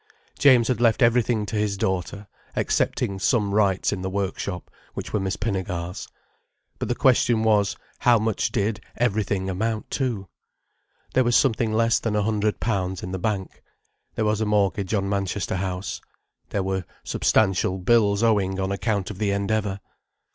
James had left everything to his daughter, excepting some rights in the work shop, which were Miss Pinnegar's. But the question was, how much did "everything" amount to? There was something less than a hundred pounds in the bank. There was a mortgage on Manchester House. There were substantial bills owing on account of the Endeavour.